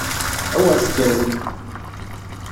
A wer tekkrem!